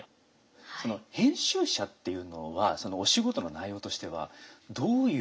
その編集者っていうのはそのお仕事の内容としてはどういう？